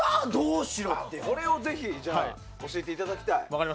それをぜひ教えていただきたい。